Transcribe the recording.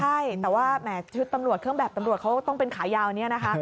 ใช่แต่ว่าแหมชุดตำรวจเครื่องแบบตำรวจเขาต้องเป็นขายาวนี้นะคะ